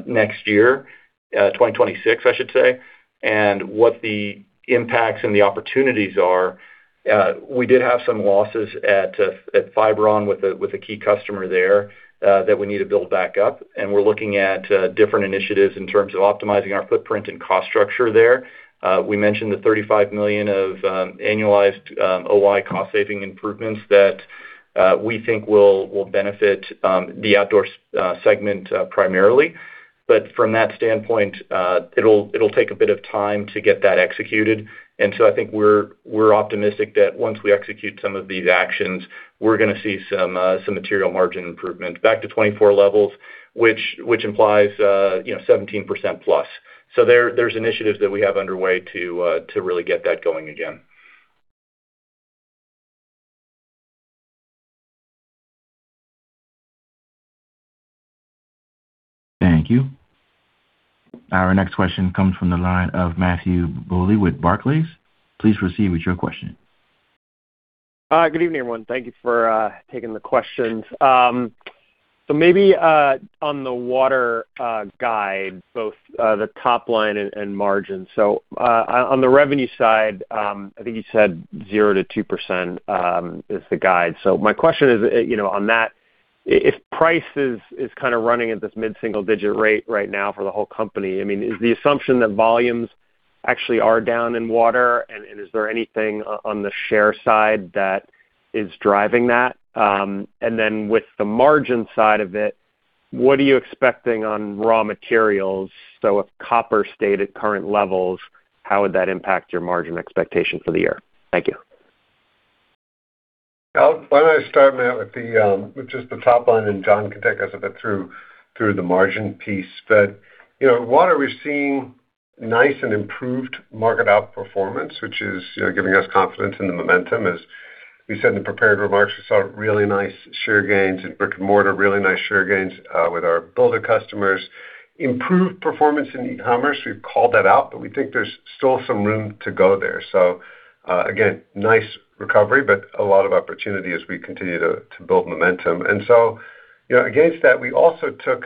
next year, 2026, I should say, and what the impacts and the opportunities are, we did have some losses at Fiberon with a key customer there that we need to build back up, and we're looking at different initiatives in terms of optimizing our footprint and cost structure there. We mentioned the $35 million of annualized OI cost-saving improvements that we think will benefit the Outdoors segment primarily. But from that standpoint, it'll take a bit of time to get that executed. And so I think we're optimistic that once we execute some of these actions, we're gonna see some material margin improvement back to 24 levels, which implies, you know, 17% plus. So there's initiatives that we have underway to really get that going again. Thank you. Our next question comes from the line of Matthew Bouley with Barclays. Please proceed with your question. Good evening, everyone. Thank you for taking the questions. So maybe on the Water guide, both the top line and margin. So on the revenue side, I think you said 0%-2% is the guide. So my question is, you know, on that, if price is kind of running at this mid-single digit rate right now for the whole company, I mean, is the assumption that volumes actually are down in Water, and is there anything on the share side that is driving that? And then with the margin side of it, what are you expecting on raw materials? So if copper stayed at current levels, how would that impact your margin expectation for the year? Thank you. Why don't I start, Matt, with just the top line, and Jon can take us a bit through the margin piece. But, you know, Water, we're seeing nice and improved market outperformance, which is, you know, giving us confidence in the momentum. As we said in the prepared remarks, we saw really nice share gains in brick-and-mortar, really nice share gains with our builder customers. Improved performance in e-commerce. We've called that out, but we think there's still some room to go there. So, again, nice recovery, but a lot of opportunity as we continue to build momentum. And so, you know, against that, we also took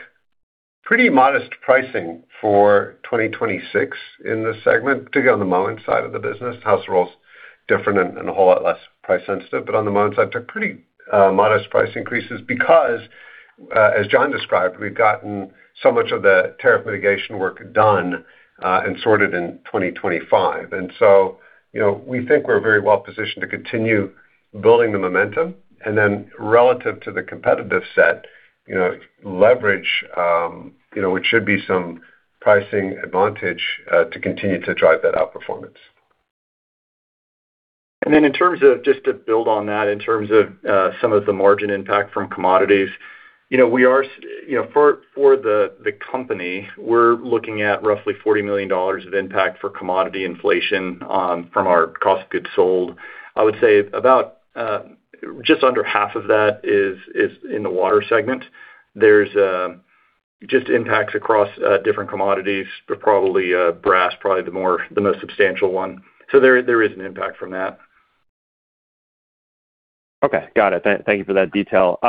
pretty modest pricing for 2026 in this segment, particularly on the Moen side of the business. House of Rohl, different and a whole lot less price sensitive. But on the Moen side, took pretty modest price increases because, as Jon described, we've gotten so much of the tariff mitigation work done, and sorted in 2025. And so, you know, we think we're very well positioned to continue building the momentum, and then relative to the competitive set, you know, leverage, you know, which should be some pricing advantage, to continue to drive that outperformance. And then in terms of, just to build on that, in terms of some of the margin impact from commodities, you know, we are. You know, for the company, we're looking at roughly $40 million of impact for commodity inflation from our cost of goods sold. I would say about just under half of that is in the Water segment. There's just impacts across different commodities, but probably brass, probably the most substantial one. So there is an impact from that. Okay, got it. Thank you for that detail.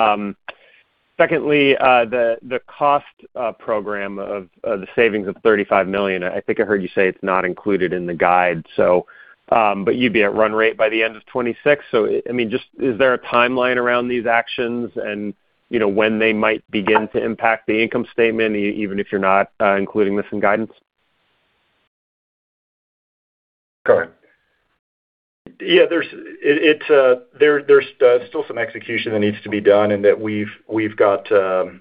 Secondly, the cost program of the savings of $35 million, I think I heard you say it's not included in the guide, so, but you'd be at run rate by the end of 2026. So, I mean, just is there a timeline around these actions and, you know, when they might begin to impact the income statement, even if you're not including this in guidance? Yeah, there's still some execution that needs to be done and that we've got a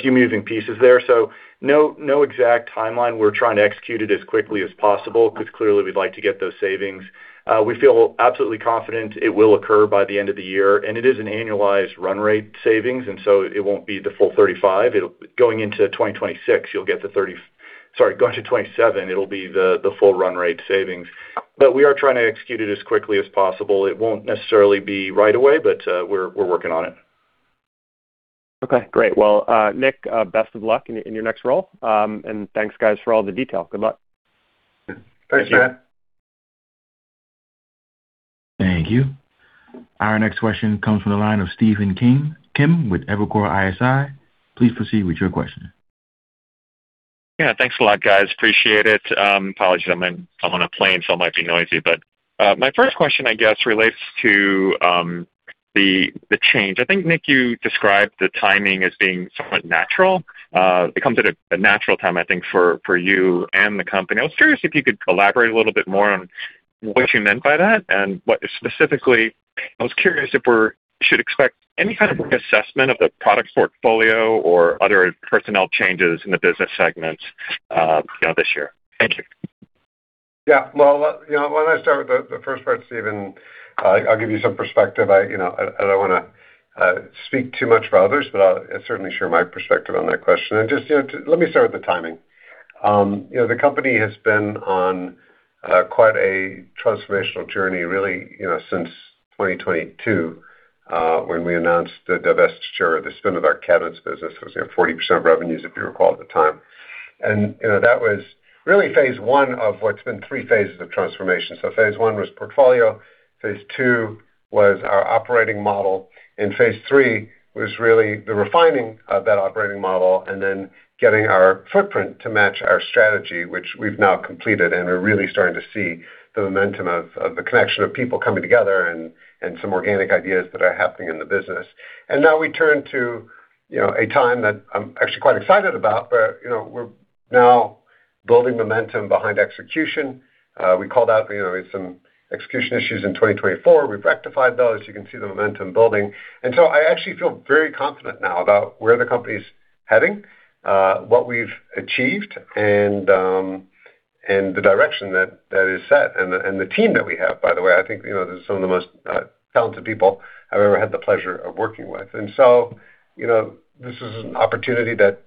few moving pieces there. So no exact timeline. We're trying to execute it as quickly as possible, because clearly we'd like to get those savings. We feel absolutely confident it will occur by the end of the year, and it is an annualized run rate savings, and so it won't be the full $35. It'll—going into 2026, you'll get the 35... Sorry, going to 2027, it'll be the full run rate savings. But we are trying to execute it as quickly as possible. It won't necessarily be right away, but we're working on it. Okay, great. Well, Nick, best of luck in your, in your next role. And thanks, guys, for all the detail. Good luck. Thanks, Matt. Thank you. Our next question comes from the line of Stephen Kim with Evercore ISI. Please proceed with your question. Yeah, thanks a lot, guys. Appreciate it. Apologies, I'm on a plane, so it might be noisy. But, my first question, I guess, relates to the change. I think, Nick, you described the timing as being somewhat natural. It comes at a natural time, I think, for you and the company. I was curious if you could elaborate a little bit more on what you meant by that and what specifically, I was curious if we're—should expect any kind of assessment of the product portfolio or other personnel changes in the business segments, you know, this year? Thank you. Yeah. Well, you know, why don't I start with the first part, Stephen? I'll give you some perspective. You know, I don't wanna speak too much for others, but I'll certainly share my perspective on that question. Just, you know, let me start with the timing. You know, the company has been on quite a transformational journey, really, since 2022, when we announced the divestiture or the spin of our cabinets business. It was, you know, 40% revenues, if you recall, at the time. You know, that was really phase one of what's been three phases of transformation. So phase one was portfolio, phase two was our operating model, and phase three was really the refining of that operating model and then getting our footprint to match our strategy, which we've now completed, and we're really starting to see the momentum of the connection of people coming together and some organic ideas that are happening in the business. And now we turn to, you know, a time that I'm actually quite excited about, where, you know, we're now building momentum behind execution. We called out, you know, some execution issues in 2024. We've rectified those. You can see the momentum building. And so I actually feel very confident now about where the company's heading, what we've achieved, and the direction that is set and the team that we have, by the way. I think, you know, this is some of the most talented people I've ever had the pleasure of working with. And so, you know, this is an opportunity that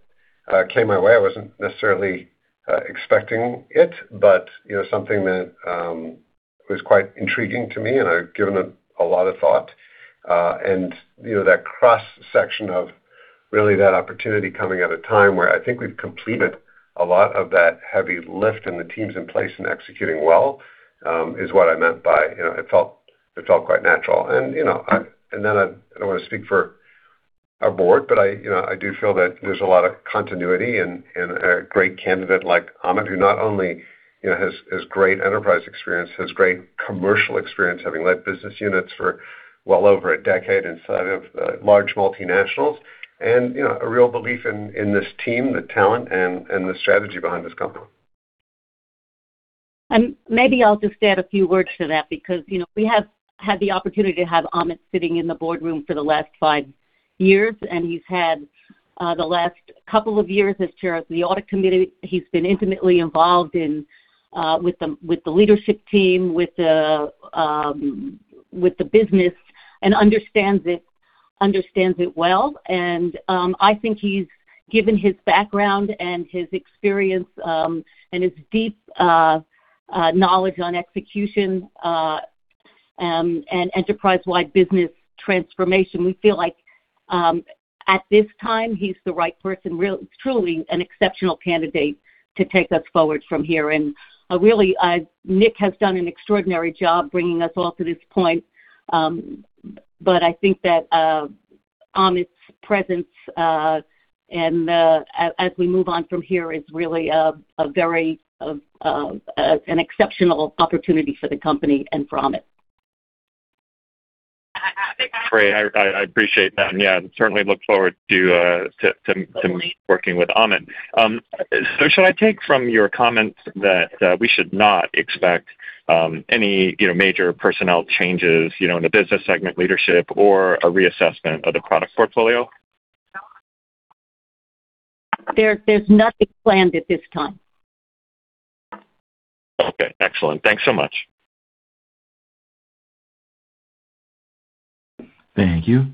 came my way. I wasn't necessarily expecting it, but, you know, something that was quite intriguing to me, and I've given it a lot of thought. And, you know, that cross-section of really that opportunity coming at a time where I think we've completed a lot of that heavy lift and the teams in place and executing well is what I meant by, you know, it felt, it felt quite natural. You know, I and then I, I don't want to speak for our board, but I, you know, I do feel that there's a lot of continuity and, and a great candidate like Amit, who not only, you know, has, has great enterprise experience, has great commercial experience, having led business units for well over a decade inside of large multinationals, and, you know, a real belief in, in this team, the talent and, and the strategy behind this company. Maybe I'll just add a few words to that, because, you know, we have had the opportunity to have Amit sitting in the boardroom for the last five years, and he's had the last couple of years as chair of the audit committee. He's been intimately involved with the leadership team with the business and understands it well. I think he's given his background and his experience and his deep knowledge on execution and enterprise-wide business transformation. We feel like at this time, he's the right person, truly an exceptional candidate to take us forward from here. Really, Nick has done an extraordinary job bringing us all to this point. But I think that Amit's presence and as we move on from here is really a very an exceptional opportunity for the company and for Amit. Great. I appreciate that. Yeah, certainly look forward to working with Amit. Should I take from your comments that we should not expect any, you know, major personnel changes, you know, in the business segment leadership or a reassessment of the product portfolio? There, there's nothing planned at this time. Okay, excellent. Thanks so much. Thank you.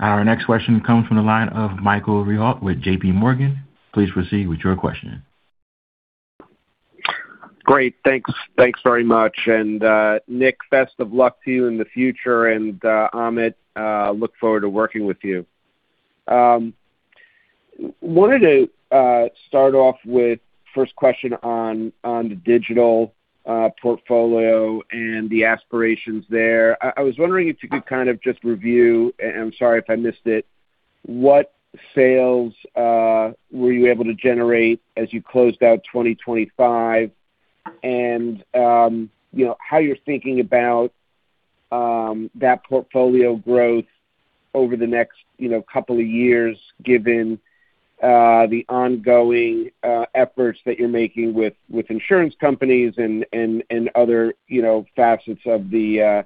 Our next question comes from the line of Michael Rehaut with JPMorgan. Please proceed with your question. Great, thanks. Thanks very much. And, Nick, best of luck to you in the future, and, Amit, look forward to working with you. Wanted to start off with first question on the digital portfolio and the aspirations there. I was wondering if you could kind of just review, and sorry if I missed it, what sales were you able to generate as you closed out 2025? And, you know, how you're thinking about that portfolio growth over the next, you know, couple of years, given the ongoing efforts that you're making with insurance companies and other facets of the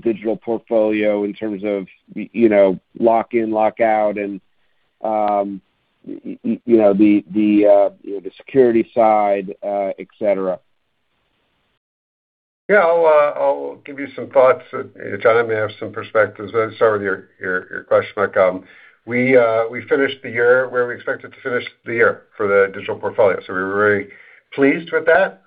digital portfolio in terms of, you know, lock-in, lock-out, and, you know, the Security side, et cetera? Yeah, I'll give you some thoughts. Jon may have some perspectives. Let's start with your question, Mike. We finished the year where we expected to finish the year for the digital portfolio, so we were very pleased with that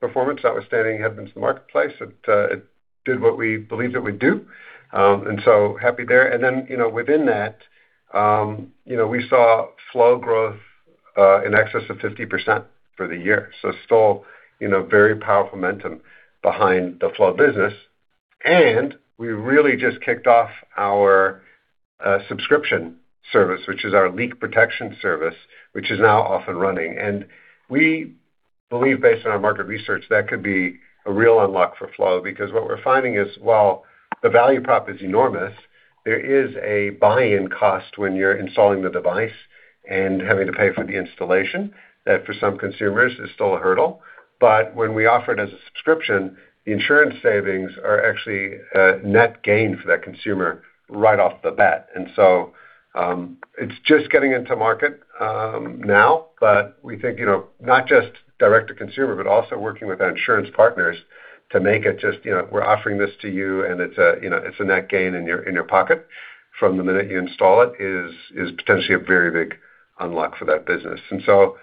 performance, notwithstanding headwinds in the marketplace. It did what we believed it would do. And so happy there. And then, you know, within that, you know, we saw Flo growth in excess of 50% for the year. So still, you know, very powerful momentum behind the Flo business. And we really just kicked off our subscription service, which is our leak protection service, which is now off and running. And we believe, based on our market research, that could be a real unlock for Flo, because what we're finding is, while the value prop is enormous, there is a buy-in cost when you're installing the device and having to pay for the installation. That, for some consumers, is still a hurdle. But when we offer it as a subscription, the insurance savings are actually a net gain for that consumer right off the bat. And so, it's just getting into market now, but we think, you know, not just direct to consumer, but also working with our insurance partners to make it just, you know, we're offering this to you, and it's a, you know, it's a net gain in your, in your pocket from the minute you install it, is potentially a very big unlock for that business. And so,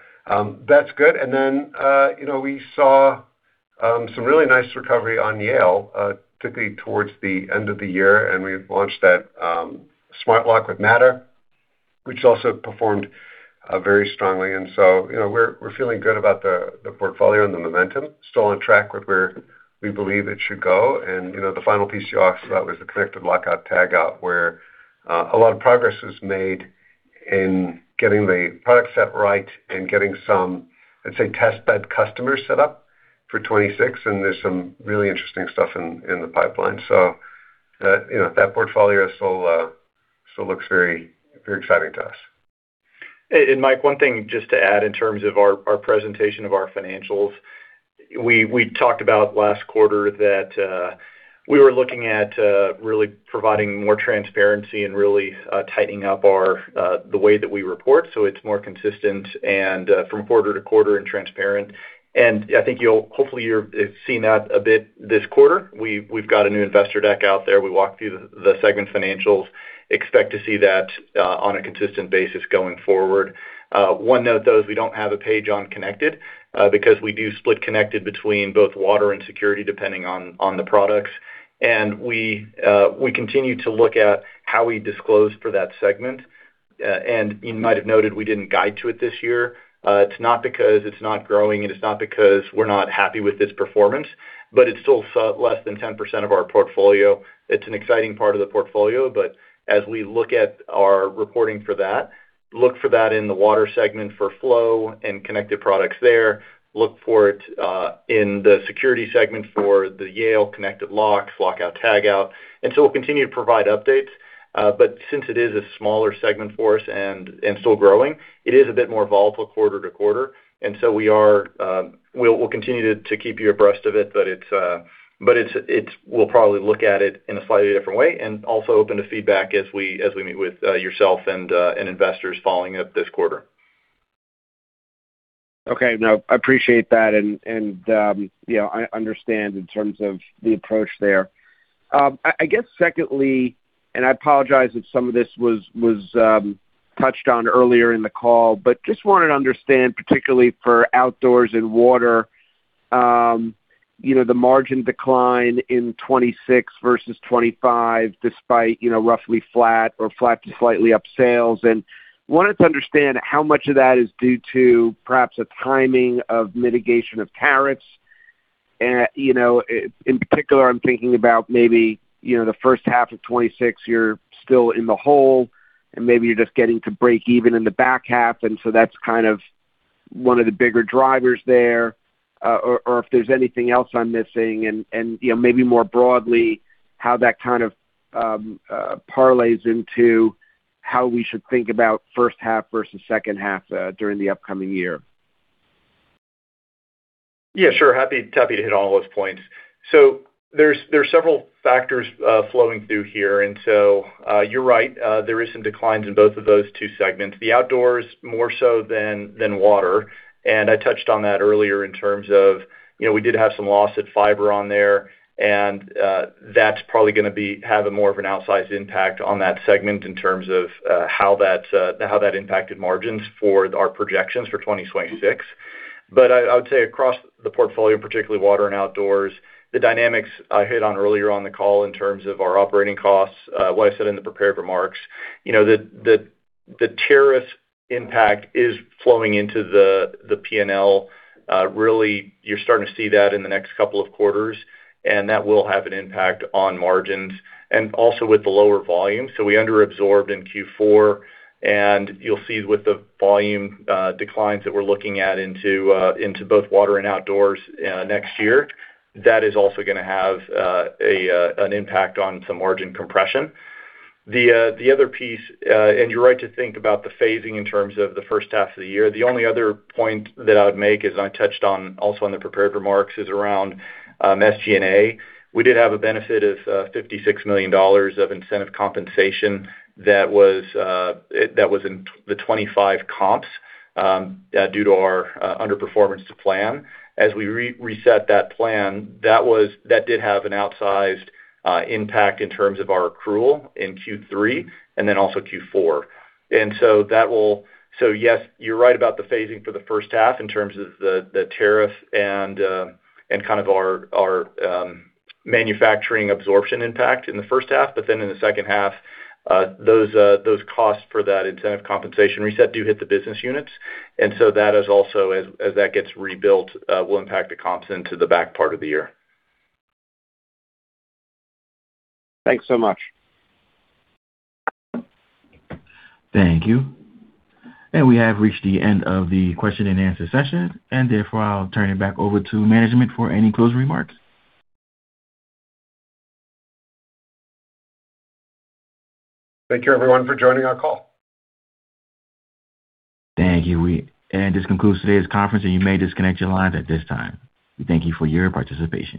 that's good. And then, you know, we saw some really nice recovery on Yale, typically towards the end of the year, and we've launched that smart lock with Matter, which also performed very strongly. And so, you know, we're feeling good about the portfolio and the momentum. Still on track with where we believe it should go. And, you know, the final piece you asked about was the connected Lockout Tagout, where a lot of progress was made in getting the product set right and getting some, let's say, test bed customers set up for 2026. And there's some really interesting stuff in the pipeline. So, you know, that portfolio still, still looks very, very exciting to us. Mike, one thing just to add in terms of our presentation of our financials. We talked about last quarter that we were looking at really providing more transparency and really tightening up our the way that we report, so it's more consistent and from quarter to quarter and transparent. And I think you'll hopefully, you're seeing that a bit this quarter. We've got a new investor deck out there. We walk through the segment financials. Expect to see that on a consistent basis going forward. One note, though, is we don't have a page on Connected because we do split Connected between both Water and Security, depending on the products. And we continue to look at how we disclose for that segment. You might have noted we didn't guide to it this year. It's not because it's not growing, and it's not because we're not happy with this performance, but it's still less than 10% of our portfolio. It's an exciting part of the portfolio, but as we look at our reporting for that, look for that in the Water segment for Flo and connected products there. Look for it in the Security segment for the Yale Connected Locks, Lockout Tagout. So, we'll continue to provide updates, but since it is a smaller segment for us and still growing, it is a bit more volatile quarter to quarter. So, we are... we'll continue to keep you abreast of it, but it's, we'll probably look at it in a slightly different way and also open to feedback as we meet with yourself and investors following up this quarter. Okay. No, I appreciate that. And, you know, I understand in terms of the approach there. I guess secondly, and I apologize if some of this was touched on earlier in the call, but just wanted to understand, particularly for Outdoors and Water, you know, the margin decline in 2026 versus 2025, despite, you know, roughly flat or flat to slightly up sales. And wanted to understand how much of that is due to perhaps a timing of mitigation of tariffs. You know, in particular, I'm thinking about maybe, you know, the first half of 2026, you're still in the hole, and maybe you're just getting to break even in the back half, and so that's kind of one of the bigger drivers there, or if there's anything else I'm missing. You know, maybe more broadly, how that kind of parlays into how we should think about first half versus second half during the upcoming year? Yeah, sure. Happy to hit on all those points. So there's several factors flowing through here. And so, you're right, there is some declines in both of those two segments, the Outdoors more so than Water. And I touched on that earlier in terms of, you know, we did have some loss at Fiberon there, and that's probably gonna have a more of an outsized impact on that segment in terms of how that impacted margins for our projections for 2026. But I would say across the portfolio, particularly Water and Outdoors, the dynamics I hit on earlier on the call in terms of our operating costs, what I said in the prepared remarks, you know, the tariff impact is flowing into the P&L. Really, you're starting to see that in the next couple of quarters, and that will have an impact on margins and also with the lower volume. So we under-absorbed in Q4, and you'll see with the volume declines that we're looking at into both Water and Outdoors next year, that is also gonna have an impact on some margin compression. The other piece, and you're right to think about the phasing in terms of the first half of the year. The only other point that I would make is, and I touched on also in the prepared remarks, is around SG&A. We did have a benefit of $56 million of incentive compensation that was in the 25 comps due to our underperformance to plan. As we re-reset that plan, that was that did have an outsized impact in terms of our accrual in Q3 and then also Q4. So yes, you're right about the phasing for the first half in terms of the tariff and kind of our manufacturing absorption impact in the first half, but then in the second half, those costs for that incentive compensation reset do hit the business units. And so that is also as that gets rebuilt will impact the comps into the back part of the year. Thanks so much. Thank you. We have reached the end of the Q&A session, and therefore, I'll turn it back over to management for any closing remarks. Thank you, everyone, for joining our call. Thank you. This concludes today's conference, and you may disconnect your lines at this time. We thank you for your participation.